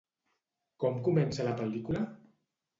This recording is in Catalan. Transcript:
Com comença la pel·lícula?